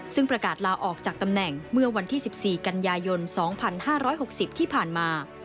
ซึ่งประกาศลาออกจากตำแหน่งเมื่อวันที่๑๔กันยายน๒๕๖๐ที่ผ่านมา